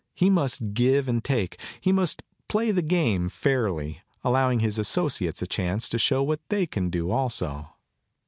lie must give an<l take; he must play the game fairly, allowing his associates a chance to show what they can do also.